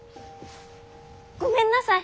ごめんなさい！